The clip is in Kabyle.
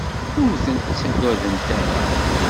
Ur tent-ttagadent ara.